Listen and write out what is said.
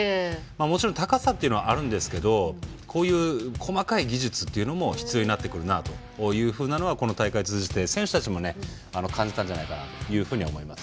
もちろん高さはあるんですけどこういう、細かい技術も必要になってくるのがこの大会、通じて選手たちも感じたんじゃないかなと思います。